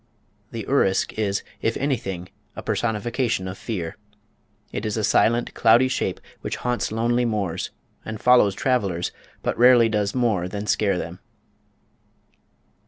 The Urisk is, if anything, a personification of fear. It is a silent, cloudy shape which haunts lonely moors, and follows travellers, but rarely does more than scare them.